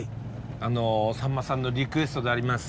さんまさんのリクエストであります